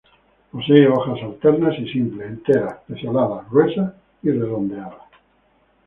Posee hojas alternas y simples, enteras, pecioladas, gruesas y redondeadas.